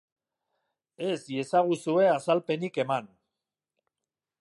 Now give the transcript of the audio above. Ez iezaguzue azalpenik eman.